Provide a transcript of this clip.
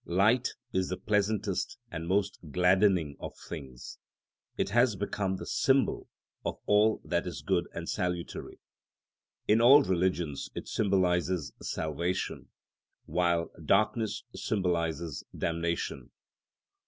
Light is the pleasantest and most gladdening of things; it has become the symbol of all that is good and salutary. In all religions it symbolises salvation, while darkness symbolises damnation.